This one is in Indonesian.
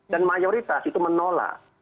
dan mayoritas itu menolak